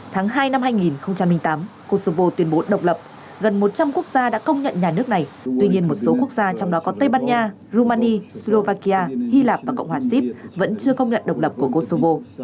tháng hai năm hai nghìn tám kosovo tuyên bố độc lập gần một trăm linh quốc gia đã công nhận nhà nước này tuy nhiên một số quốc gia trong đó có tây ban nha rumani slovakia hy lạp và cộng hòa sip vẫn chưa công nhận độc lập của kosovo